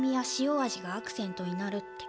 味がアクセントになるって。